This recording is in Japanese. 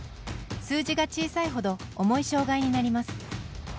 数字が小さいほど重い障がいになります。